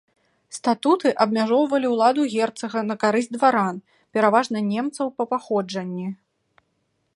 Статуты абмяжоўвалі ўладу герцага на карысць дваран, пераважна немцаў па паходжанні.